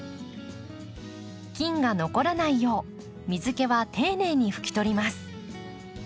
菌が残らないよう水けは丁寧に拭き取ります。